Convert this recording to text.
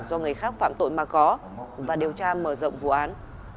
do người khác phạm tội mà có và điều tra mở rộng vụ án